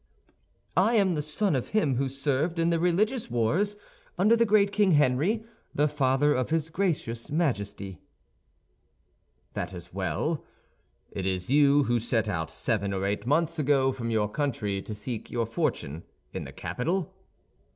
"I am the son of him who served in the Religious Wars under the great King Henry, the father of his gracious Majesty." "That is well. It is you who set out seven or eight months ago from your country to seek your fortune in the capital?"